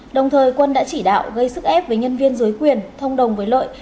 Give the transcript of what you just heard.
đồng thời quân đã chỉ đạo gây sức ép với nhân viên dối quyền thông đồng với lợi